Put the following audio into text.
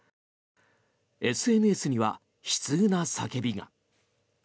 ＳＮＳには悲痛な叫びが。